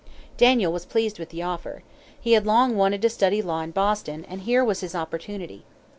Daniel was pleased with the offer. He had long wanted to study law in Boston, and here was his opportunity.